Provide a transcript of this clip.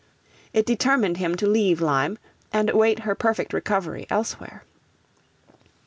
It determined him to leave Lyme, and await her perfect recovery elsewhere.